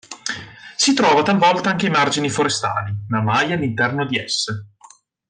Si trova talvolta anche ai margini forestali, ma mai all'interno di esse.